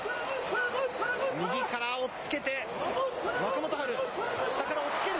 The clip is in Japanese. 右から押っつけて若元春下から押っつける。